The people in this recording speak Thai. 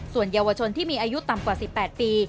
ส่วนเยาวชนที่มีอายุต่ำกว่า๑๘ปี